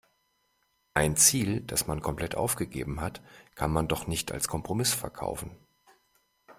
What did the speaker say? Ein Ziel, das man komplett aufgegeben hat, kann man doch nicht als Kompromiss verkaufen.